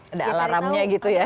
ada alarmnya gitu ya